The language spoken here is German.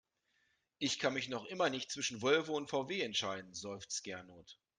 Ich kann mich noch immer nicht zwischen Volvo und VW entscheiden, seufzt Gernot.